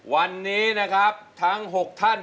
วันนี้นะครับทั้ง๖ท่าน